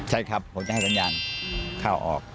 ใช่ครับผมจะให้สัญญาณเข้าออก